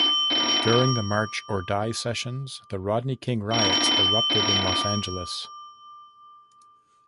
During the "March or Die" sessions, the Rodney King riots erupted in Los Angeles.